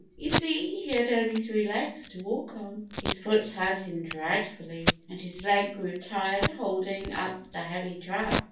You see, he had only three legs to walk on. His foot hurt him dreadfully, and his leg grew tired holding up the heavy trap.